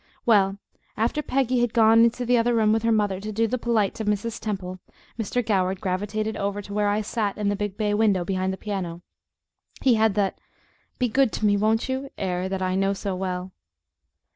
Well, after Peggy had gone into the other room with her mother to do the polite to Mrs. Temple, Mr. Goward gravitated over to where I sat in the big bay window behind the piano; he had that "be good to me, won't you?" air that I know so well!